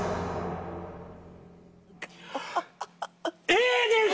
Ａです！